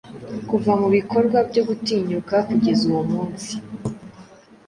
Kuva mubikorwa byo gutinyuka kugeza uwo munsi